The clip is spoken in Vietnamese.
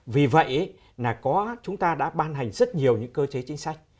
vì vậy là chúng ta đã ban hành rất nhiều những cơ chế chính sách